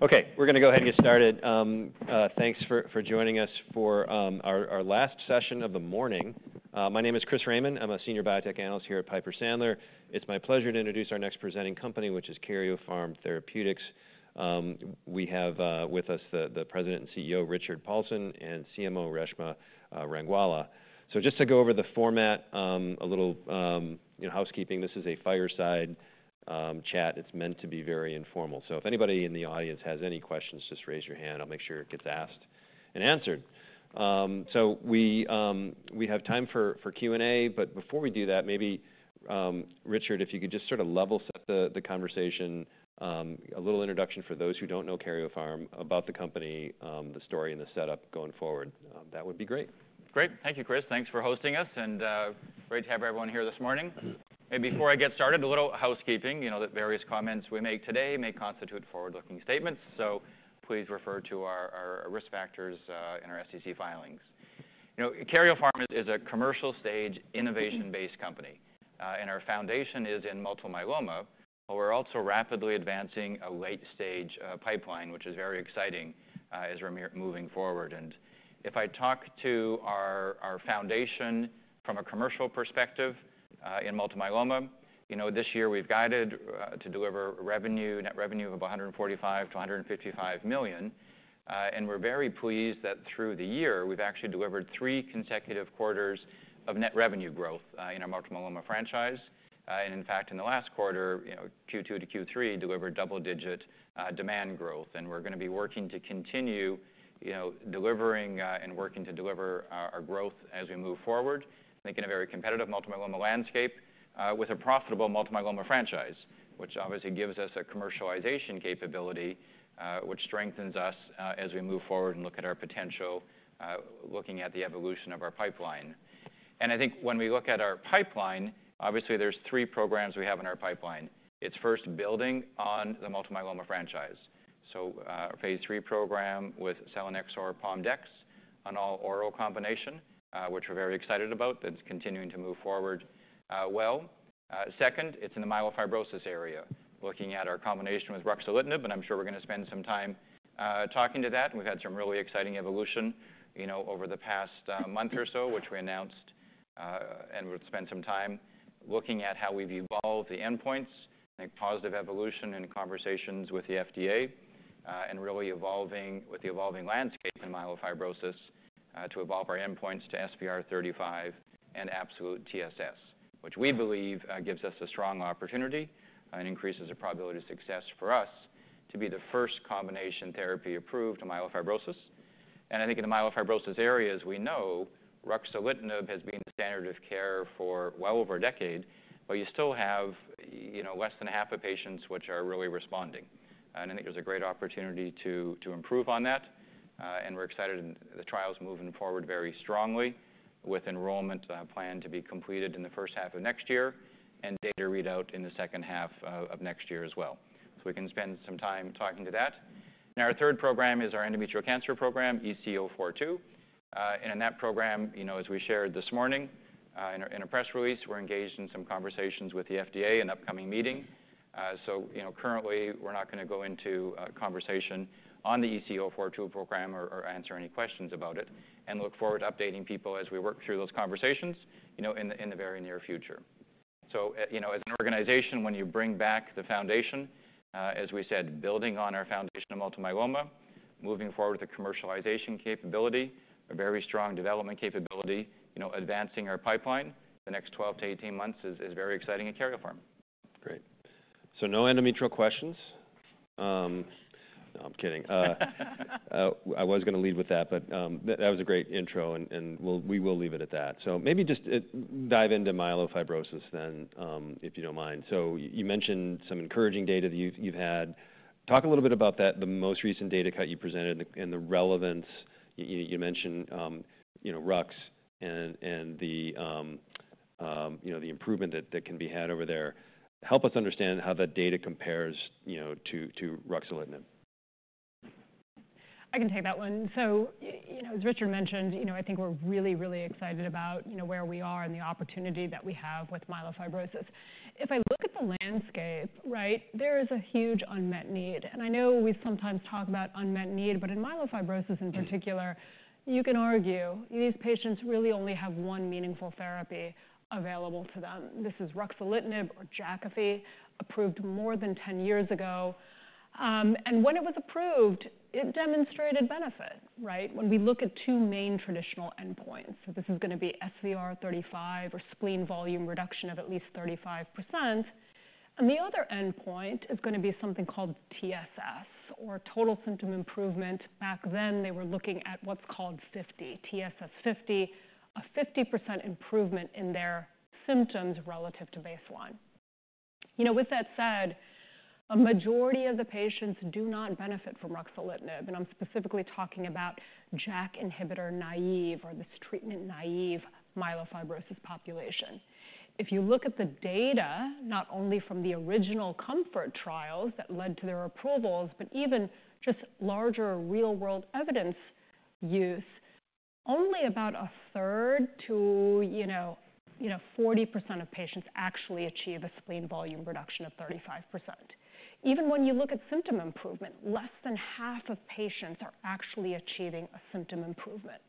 Okay, we're going to go ahead and get started. Thanks for joining us for our last session of the morning. My name is Chris Raymond. I'm a senior biotech analyst here at Piper Sandler. It's my pleasure to introduce our next presenting company, which is Karyopharm Therapeutics. We have with us the President and CEO, Richard Paulson, and CMO, Reshma Rangwala, so just to go over the format, a little housekeeping: this is a fireside chat. It's meant to be very informal, so if anybody in the audience has any questions, just raise your hand. I'll make sure it gets asked and answered, so we have time for Q&A. But before we do that, maybe, Richard, if you could just sort of level set the conversation, a little introduction for those who don't know Karyopharm, about the company, the story, and the setup going forward. That would be great. Great. Thank you, Chris. Thanks for hosting us. And great to have everyone here this morning. And before I get started, a little housekeeping: the various comments we make today may constitute forward-looking statements. So please refer to our risk factors in our SEC filings. Karyopharm is a commercial stage, innovation-based company. And our foundation is in multiple myeloma. But we're also rapidly advancing a late-stage pipeline, which is very exciting as we're moving forward. And if I talk to our foundation from a commercial perspective in multiple myeloma, this year we've guided to deliver net revenue of about $145 million-$155 million. And we're very pleased that through the year we've actually delivered three consecutive quarters of net revenue growth in our multiple myeloma franchise. And in fact, in the last quarter, Q2 to Q3, delivered double-digit demand growth. We're going to be working to continue delivering and working to deliver our growth as we move forward, making a very competitive multiple myeloma landscape with a profitable multiple myeloma franchise, which obviously gives us a commercialization capability, which strengthens us as we move forward and look at our potential, looking at the evolution of our pipeline. I think when we look at our pipeline, obviously there's three programs we have in our pipeline. It's first building on the multiple myeloma franchise. So our Phase 3 program with selinexor PomDex an all-oral combination, which we're very excited about, that's continuing to move forward well. Second, it's in the myelofibrosis area, looking at our combination with ruxolitinib. I'm sure we're going to spend some time talking to that. We've had some really exciting evolution over the past month or so, which we announced. We'll spend some time looking at how we've evolved the endpoints, make positive evolution in conversations with the FDA, and really evolving with the evolving landscape in myelofibrosis to evolve our endpoints to SVR35 and absolute TSS, which we believe gives us a strong opportunity and increases the probability of success for us to be the first combination therapy approved to myelofibrosis. I think in the myelofibrosis area, as we know, ruxolitinib has been the standard of care for well over a decade. You still have less than half the patients which are really responding. I think there's a great opportunity to improve on that. We're excited the trial's moving forward very strongly, with enrollment planned to be completed in the first half of next year and data readout in the second half of next year as well. We can spend some time talking to that. Our third program is our endometrial cancer program, EC-042. In that program, as we shared this morning in a press release, we're engaged in some conversations with the FDA and upcoming meeting. Currently, we're not going to go into conversation on the EC-042 program or answer any questions about it, and look forward to updating people as we work through those conversations in the very near future. As an organization, when you bring back the foundation, as we said, building on our foundation of multiple myeloma, moving forward with the commercialization capability, a very strong development capability, advancing our pipeline, the next 12-18 months is very exciting at Karyopharm. Great. So no endometrial questions. No, I'm kidding. I was going to lead with that. But that was a great intro. And we will leave it at that. So maybe just dive into myelofibrosis then, if you don't mind. So you mentioned some encouraging data that you've had. Talk a little bit about that, the most recent data cut you presented and the relevance. You mentioned rux and the improvement that can be had over there. Help us understand how that data compares to ruxolitinib. I can take that one, so as Richard mentioned, I think we're really, really excited about where we are and the opportunity that we have with myelofibrosis. If I look at the landscape, there is a huge unmet need, and I know we sometimes talk about unmet need, but in myelofibrosis in particular, you can argue these patients really only have one meaningful therapy available to them. This is ruxolitinib or Jakafi, approved more than 10 years ago, and when it was approved, it demonstrated benefit when we look at two main traditional endpoints, so this is going to be SVR35 or spleen volume reduction of at least 35%, and the other endpoint is going to be something called TSS or total symptom improvement. Back then, they were looking at what's called 50, TSS 50, a 50% improvement in their symptoms relative to baseline. With that said, a majority of the patients do not benefit from ruxolitinib. And I'm specifically talking about JAK inhibitor naive or this treatment naive myelofibrosis population. If you look at the data, not only from the original COMFORT trials that led to their approvals, but even just larger real-world evidence use, only about a third to 40% of patients actually achieve a spleen volume reduction of 35%. Even when you look at symptom improvement, less than half of patients are actually achieving a symptom improvement.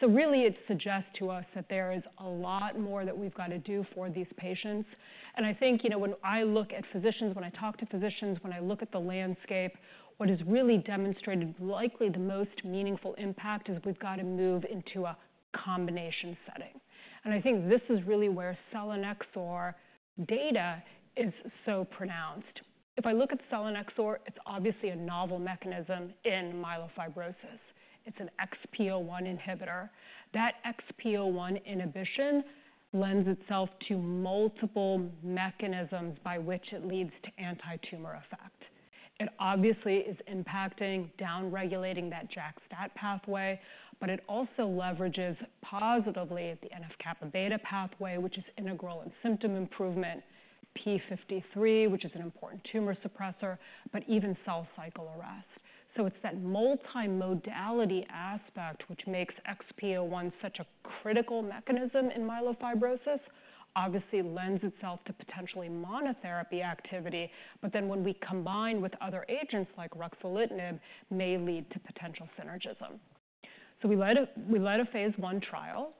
So really, it suggests to us that there is a lot more that we've got to do for these patients. And I think when I look at physicians, when I talk to physicians, when I look at the landscape, what is really demonstrated likely the most meaningful impact is we've got to move into a combination setting. I think this is really where selinexor data is so pronounced. If I look at selinexor, it's obviously a novel mechanism in myelofibrosis. It's an XPO1 inhibitor. That XPO1 inhibition lends itself to multiple mechanisms by which it leads to anti-tumor effect. It obviously is impacting downregulating that JAK-STAT pathway. But it also leverages positively the NF-kappaB pathway, which is integral in symptom improvement, p53, which is an important tumor suppressor, but even cell cycle arrest. So it's that multi-modality aspect, which makes XPO1 such a critical mechanism in myelofibrosis, obviously lends itself to potentially monotherapy activity. But then when we combine with other agents like ruxolitinib, may lead to potential synergism. So we led a Phase 1 trial.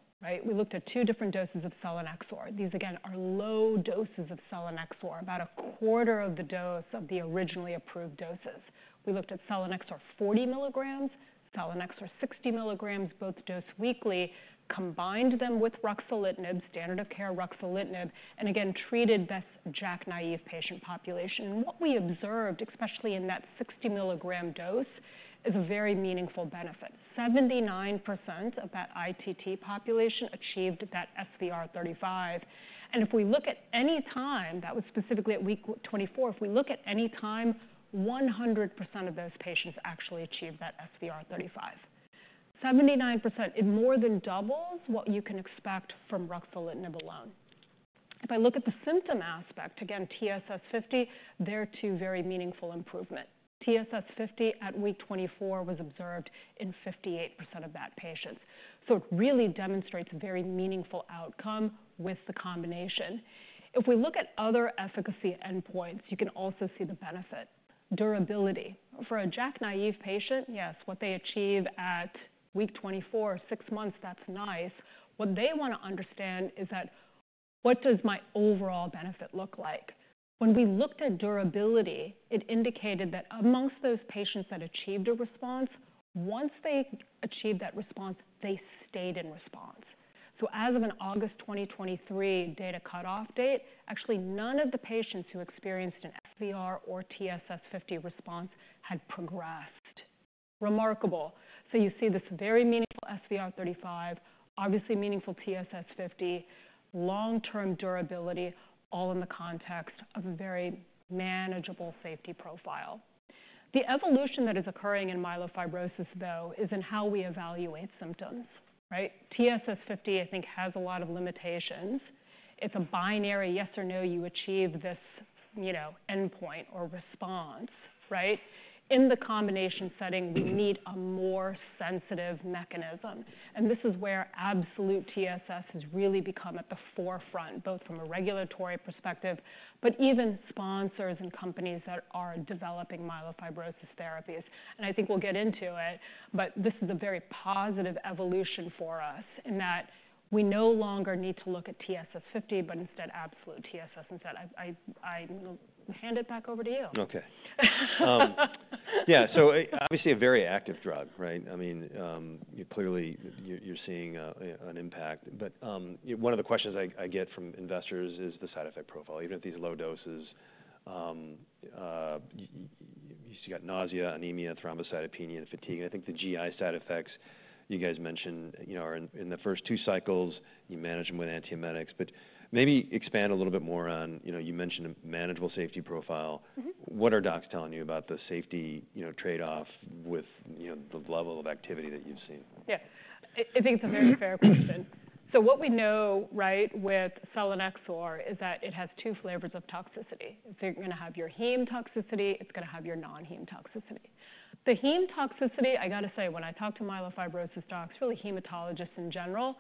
We looked at two different doses of selinexor. These, again, are low doses of selinexor, about a quarter of the dose of the originally approved doses. We looked at selinexor 40 milligrams, selinexor 60 milligrams, both dosed weekly, combined them with ruxolitinib, standard of care ruxolitinib, and again, treated this JAK naive patient population, and what we observed, especially in that 60 milligram dose, is a very meaningful benefit. 79% of that ITT population achieved that SVR35. If we look at any time that was specifically at week 24, if we look at any time, 100% of those patients actually achieved that SVR35. 79%, it more than doubles what you can expect from ruxolitinib alone. If I look at the symptom aspect, again, TSS 50, there are two very meaningful improvements. TSS 50 at week 24 was observed in 58% of that patient, so it really demonstrates a very meaningful outcome with the combination. If we look at other efficacy endpoints, you can also see the benefit durability. For a JAK naive patient, yes, what they achieve at week 24, six months, that's nice. What they want to understand is that what does my overall benefit look like? When we looked at durability, it indicated that amongst those patients that achieved a response, once they achieved that response, they stayed in response. So as of an August 2023 data cutoff date, actually none of the patients who experienced an SVR or TSS 50 response had progressed. Remarkable. So you see this very meaningful SVR35, obviously meaningful TSS 50, long-term durability, all in the context of a very manageable safety profile. The evolution that is occurring in myelofibrosis, though, is in how we evaluate symptoms. TSS 50, I think, has a lot of limitations. It's a binary, yes or no, you achieve this endpoint or response. In the combination setting, we need a more sensitive mechanism. And this is where absolute TSS has really become at the forefront, both from a regulatory perspective, but even sponsors and companies that are developing myelofibrosis therapies. And I think we'll get into it. But this is a very positive evolution for us in that we no longer need to look at TSS 50, but instead absolute TSS. Instead, I will hand it back over to you. OK. Yeah, so obviously a very active drug. I mean, clearly, you're seeing an impact. But one of the questions I get from investors is the side effect profile. Even at these low doses, you've got nausea, anemia, thrombocytopenia, and fatigue. And I think the GI side effects you guys mentioned are in the first two cycles. You manage them with antiemetics. But maybe expand a little bit more on you mentioned a manageable safety profile. What are docs telling you about the safety trade-off with the level of activity that you've seen? Yeah. I think it's a very fair question. So what we know with selinexor is that it has two flavors of toxicity. It's going to have your heme toxicity. It's going to have your non-heme toxicity. The heme toxicity, I got to say, when I talk to myelofibrosis docs, really hematologists in general,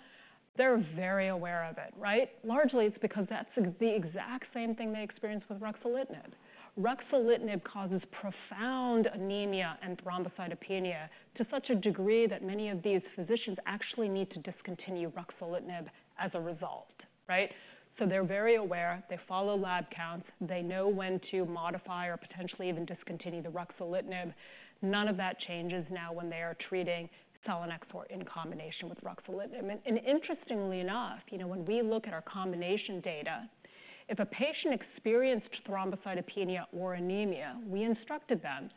they're very aware of it. Largely, it's because that's the exact same thing they experience with ruxolitinib. Ruxolitinib causes profound anemia and thrombocytopenia to such a degree that many of these physicians actually need to discontinue ruxolitinib as a result. So they're very aware. They follow lab counts. They know when to modify or potentially even discontinue the ruxolitinib. None of that changes now when they are treating selinexor in combination with ruxolitinib. Interestingly enough, when we look at our combination data, if a patient experienced thrombocytopenia or anemia, we instructed them,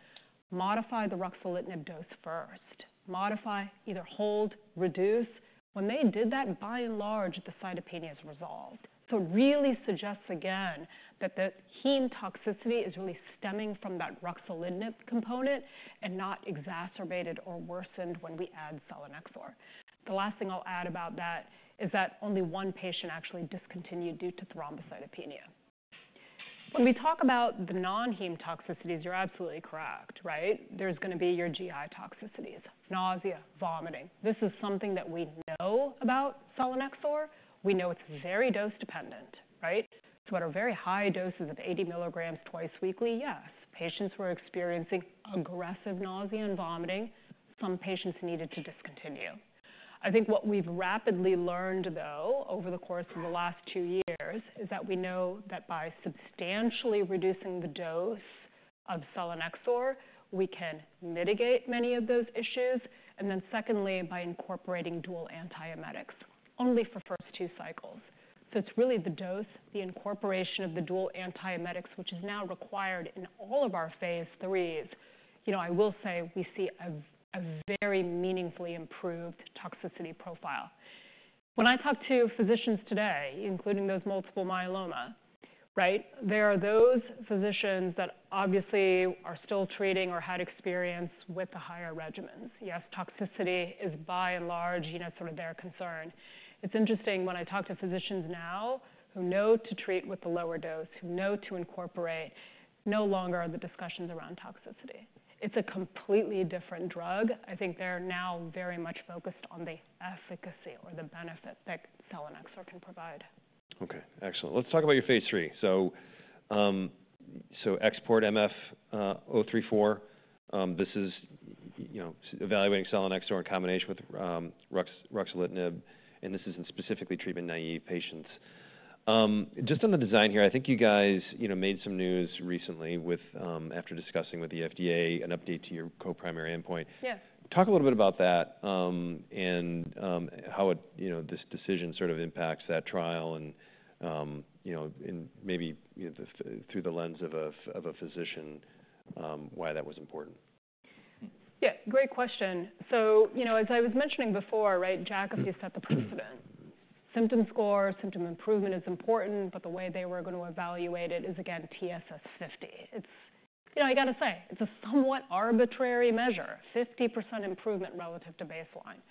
modify the ruxolitinib dose first, modify, either hold, reduce. When they did that, by and large, the cytopenias resolved. It really suggests, again, that the heme toxicity is really stemming from that ruxolitinib component and not exacerbated or worsened when we add selinexor. The last thing I'll add about that is that only one patient actually discontinued due to thrombocytopenia. When we talk about the non-heme toxicities, you're absolutely correct. There's going to be your GI toxicities, nausea, vomiting. This is something that we know about selinexor. We know it's very dose-dependent. At our very high doses of 80 milligrams twice weekly, yes, patients were experiencing aggressive nausea and vomiting. Some patients needed to discontinue. I think what we've rapidly learned, though, over the course of the last two years is that we know that by substantially reducing the dose of selinexor, we can mitigate many of those issues, and then secondly, by incorporating dual antiemetics only for first two cycles, so it's really the dose, the incorporation of the dual antiemetics, which is now required in all of our Phase 3s. I will say we see a very meaningfully improved toxicity profile. When I talk to physicians today, including those multiple myeloma, there are those physicians that obviously are still treating or had experience with the higher regimens. Yes, toxicity is by and large sort of their concern. It's interesting when I talk to physicians now who know to treat with the lower dose, who know to incorporate, no longer are the discussions around toxicity. It's a completely different drug. I think they're now very much focused on the efficacy or the benefit that selinexor can provide. OK, excellent. Let's talk about your Phase 3. So XPORT-MF-034, this is evaluating selinexor in combination with ruxolitinib. And this is specifically treatment-naive patients. Just on the design here, I think you guys made some news recently after discussing with the FDA an update to your co-primary endpoint. Talk a little bit about that and how this decision sort of impacts that trial and maybe through the lens of a physician, why that was important. Yeah, great question. So as I was mentioning before, Jakafi set the precedent. Symptom score, symptom improvement is important. But the way they were going to evaluate it is, again, TSS 50. I got to say, it's a somewhat arbitrary measure, 50% improvement relative to baseline.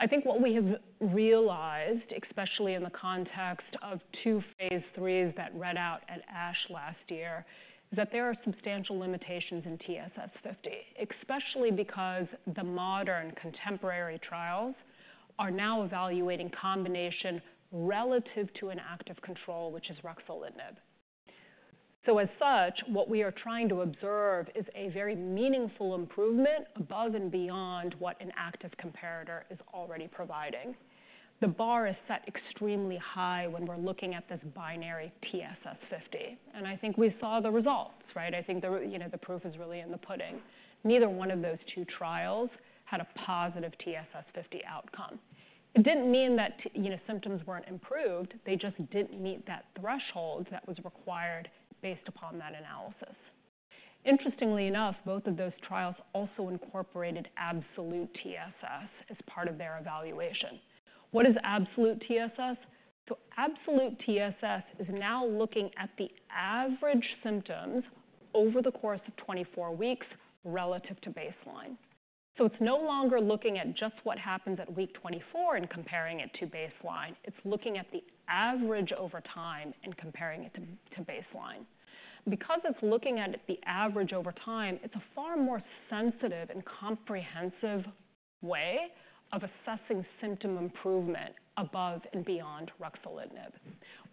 I think what we have realized, especially in the context of two Phase 3s that read out at ASH last year, is that there are substantial limitations in TSS 50, especially because the modern contemporary trials are now evaluating combination relative to an active control, which is ruxolitinib. So as such, what we are trying to observe is a very meaningful improvement above and beyond what an active comparator is already providing. The bar is set extremely high when we're looking at this binary TSS 50. And I think we saw the results. I think the proof is really in the pudding. Neither one of those two trials had a positive TSS 50 outcome. It didn't mean that symptoms weren't improved. They just didn't meet that threshold that was required based upon that analysis. Interestingly enough, both of those trials also incorporated absolute TSS as part of their evaluation. What is absolute TSS? So absolute TSS is now looking at the average symptoms over the course of 24 weeks relative to baseline. So it's no longer looking at just what happens at week 24 and comparing it to baseline. It's looking at the average over time and comparing it to baseline. Because it's looking at the average over time, it's a far more sensitive and comprehensive way of assessing symptom improvement above and beyond ruxolitinib.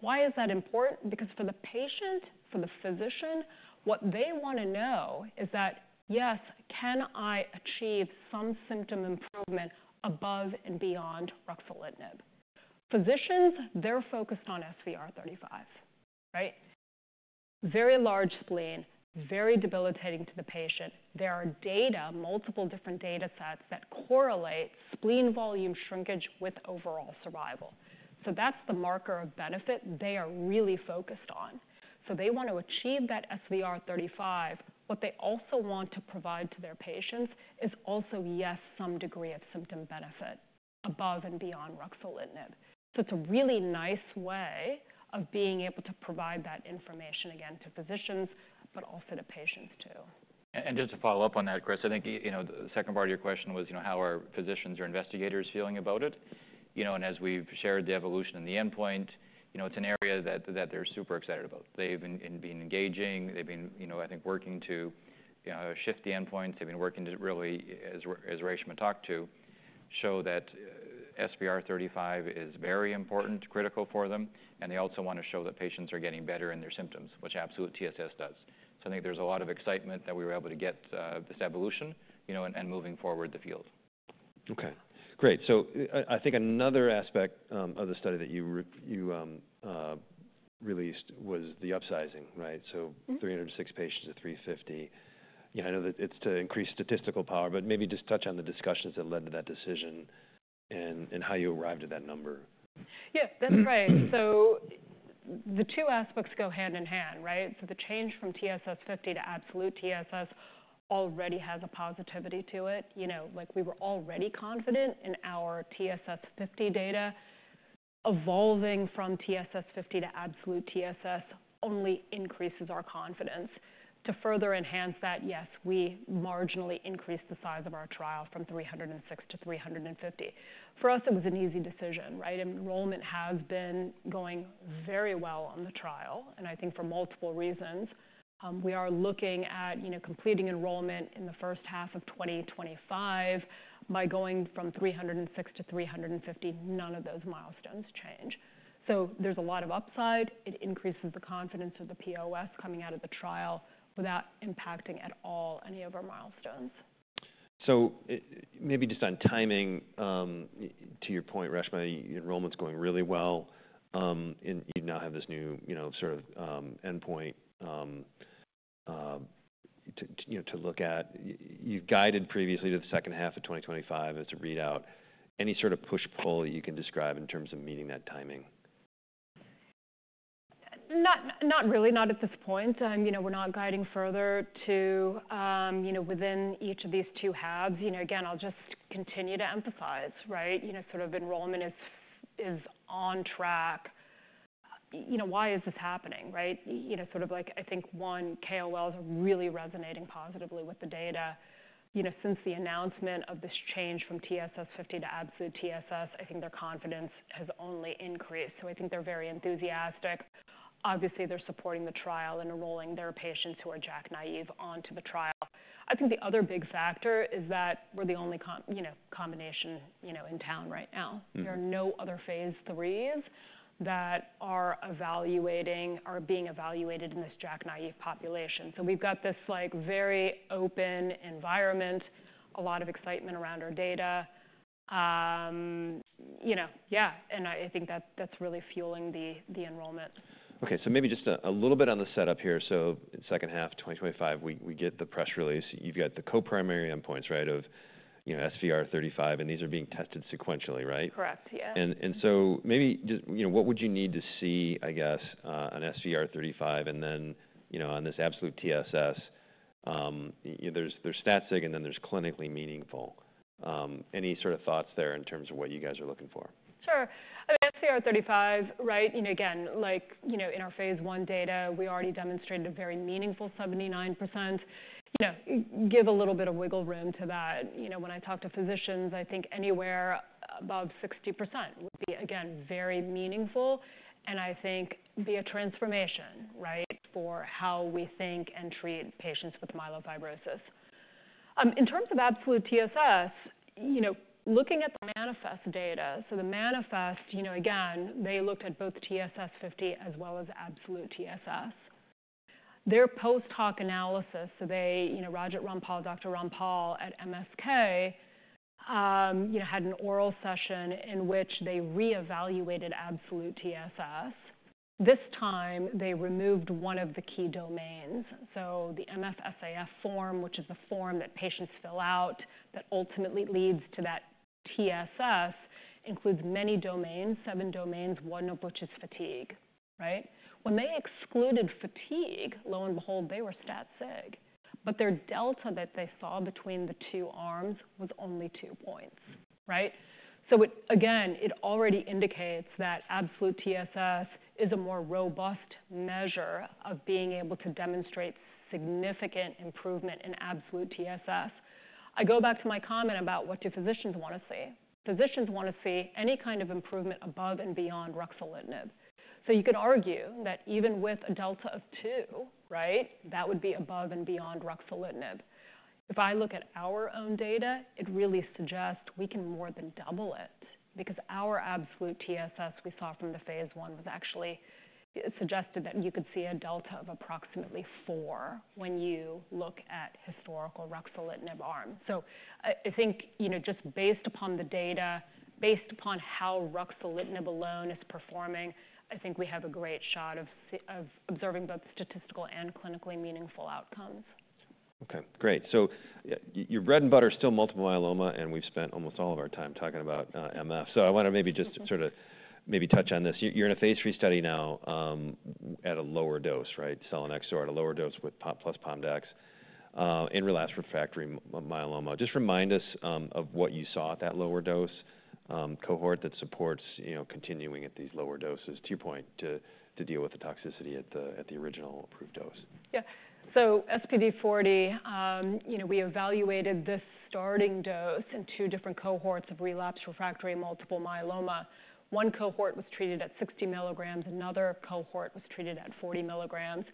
Why is that important? Because for the patient, for the physician, what they want to know is that, yes, can I achieve some symptom improvement above and beyond ruxolitinib? Physicians, they're focused on SVR35. Very large spleen, very debilitating to the patient. There are data, multiple different data sets that correlate spleen volume shrinkage with overall survival. So that's the marker of benefit they are really focused on. So they want to achieve that SVR35. What they also want to provide to their patients is also, yes, some degree of symptom benefit above and beyond ruxolitinib. So it's a really nice way of being able to provide that information, again, to physicians, but also to patients, too. And just to follow up on that, Chris, I think the second part of your question was how are physicians or investigators feeling about it. As we've shared the evolution and the endpoint, it's an area that they're super excited about. They've been engaging. They've been, I think, working to shift the endpoints. They've been working to really, as Reshma talked to, show that SVR35 is very important, critical for them. They also want to show that patients are getting better in their symptoms, which absolute TSS does. I think there's a lot of excitement that we were able to get this evolution and moving forward the field. OK. Great, so I think another aspect of the study that you released was the upsizing, so 306 patients to 350. I know that it's to increase statistical power, but maybe just touch on the discussions that led to that decision and how you arrived at that number. Yeah, that's right. So the two aspects go hand in hand. So the change from TSS 50 to absolute TSS already has a positivity to it. We were already confident in our TSS 50 data. Evolving from TSS 50 to absolute TSS only increases our confidence. To further enhance that, yes, we marginally increased the size of our trial from 306 to 350. For us, it was an easy decision. Enrollment has been going very well on the trial. And I think for multiple reasons, we are looking at completing enrollment in the first half of 2025. By going from 306 to 350, none of those milestones change. So there's a lot of upside. It increases the confidence of the POS coming out of the trial without impacting at all any of our milestones. So maybe just on timing, to your point, Reshma, enrollment's going really well. And you now have this new sort of endpoint to look at. You guided previously to the second half of 2025 as a readout. Any sort of push, pull that you can describe in terms of meeting that timing? Not really, not at this point. We're not guiding further within each of these two halves. Again, I'll just continue to emphasize sort of enrollment is on track. Why is this happening? Sort of like I think, one, KOLs are really resonating positively with the data. Since the announcement of this change from TSS 50 to absolute TSS, I think their confidence has only increased. So I think they're very enthusiastic. Obviously, they're supporting the trial and enrolling their patients who are JAK-naive onto the trial. I think the other big factor is that we're the only combination in town right now. There are no other Phase 3s that are being evaluated in this JAK-naive population. So we've got this very open environment, a lot of excitement around our data. Yeah, and I think that that's really fueling the enrollment. OK, so maybe just a little bit on the setup here. So second half 2025, we get the press release. You've got the co-primary endpoints of SVR35. And these are being tested sequentially, right? Correct, yeah. And so maybe just what would you need to see, I guess, on SVR35 and then on this absolute TSS? There's stat-sig, and then there's clinically meaningful. Any sort of thoughts there in terms of what you guys are looking for? Sure. I mean, SVR35, again, in our Phase 1 data, we already demonstrated a very meaningful 79%. Give a little bit of wiggle room to that. When I talk to physicians, I think anywhere above 60% would be, again, very meaningful and I think be a transformation for how we think and treat patients with myelofibrosis. In terms of absolute TSS, looking at the MANIFEST data, so the MANIFEST, again, they looked at both TSS 50 as well as absolute TSS. Their post-hoc analysis, so they, Raajit Rampal, Dr. Rampal at MSK, had an oral session in which they reevaluated absolute TSS. This time, they removed one of the key domains. So the MFSAF form, which is the form that patients fill out that ultimately leads to that TSS, includes many domains, seven domains, one of which is fatigue. When they excluded fatigue, lo and behold, they were stat-sig. Their delta that they saw between the two arms was only two points. Again, it already indicates that absolute TSS is a more robust measure of being able to demonstrate significant improvement in absolute TSS. I go back to my comment about what do physicians want to see. Physicians want to see any kind of improvement above and beyond ruxolitinib. You could argue that even with a delta of two, that would be above and beyond ruxolitinib. If I look at our own data, it really suggests we can more than double it because our absolute TSS we saw from the Phase 1 was actually suggested that you could see a delta of approximately four when you look at historical ruxolitinib arms. So I think just based upon the data, based upon how ruxolitinib alone is performing, I think we have a great shot of observing both statistical and clinically meaningful outcomes. OK, great. So your bread and butter is still multiple myeloma. And we've spent almost all of our time talking about MF. So I want to maybe just sort of maybe touch on this. You're in a Phase 3 study now at a lower dose, selinexor, at a lower dose with plus PomDex in relapse refractory myeloma. Just remind us of what you saw at that lower dose cohort that supports continuing at these lower doses, to your point, to deal with the toxicity at the original approved dose? Yeah, so SPD40, we evaluated this starting dose in two different cohorts of relapsed refractory multiple myeloma. One cohort was treated at 60 milligrams. Another cohort was treated at 40 milligrams.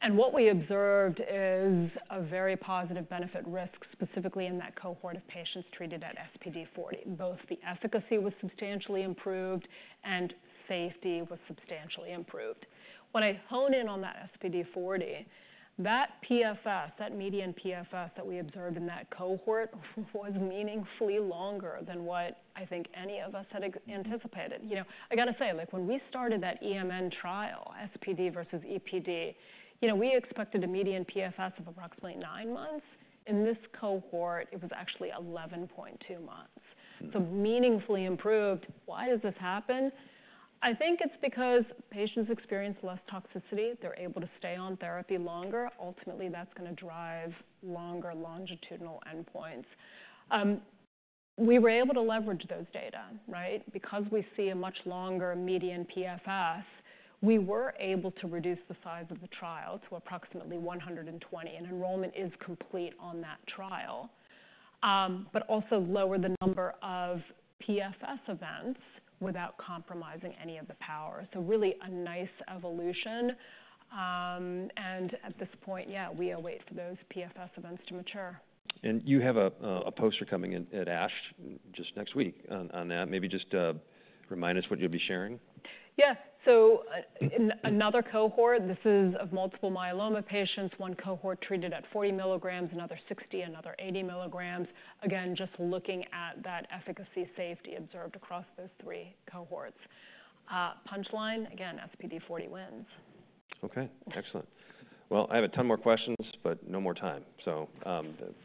And what we observed is a very positive benefit-risk specifically in that cohort of patients treated at SPD40. Both the efficacy was substantially improved and safety was substantially improved. When I hone in on that SPD40, that PFS, that median PFS that we observed in that cohort was meaningfully longer than what I think any of us had anticipated. I got to say, when we started that EMN trial, SPD versus EPD, we expected a median PFS of approximately nine months. In this cohort, it was actually 11.2 months. So meaningfully improved. Why does this happen? I think it's because patients experience less toxicity. They're able to stay on therapy longer. Ultimately, that's going to drive longer longitudinal endpoints. We were able to leverage those data. Because we see a much longer median PFS, we were able to reduce the size of the trial to approximately 120. And enrollment is complete on that trial, but also lower the number of PFS events without compromising any of the power. So really a nice evolution. And at this point, yeah, we await for those PFS events to mature. You have a poster coming at ASH just next week on that. Maybe just remind us what you'll be sharing. Yes, so in another cohort, this is of multiple myeloma patients. One cohort treated at 40 milligrams, another 60, another 80 milligrams. Again, just looking at that efficacy, safety observed across those three cohorts. Punchline, again, SPD40 wins. OK, excellent. Well, I have a ton more questions, but no more time. So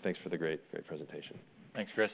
thanks for the great presentation. Thanks, Chris.